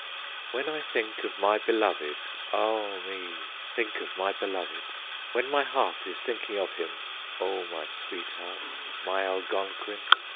"When I think of my beloved, Ah me! think of my beloved, When my heart is thinking of him, O my sweetheart, my Algonquin!